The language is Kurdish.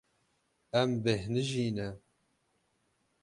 Em bêhnijî ne.